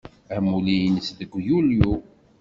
Amulli-nnes deg Yulyu.